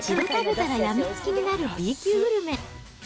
一度食べたら病みつきになるＢ級グルメ。